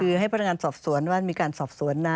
คือให้พนักงานสอบสวนว่ามีการสอบสวนนะ